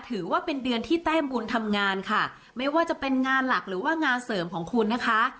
ถือว่าเป็นเดือนที่แต้มบุญทำงานค่ะไม่ว่าจะเป็นงานหลักหรือว่างานเสริมของคุณนะคะ